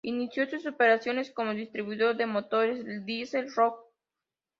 Inició sus operaciones como distribuidor de motores diesel Rolls Royce.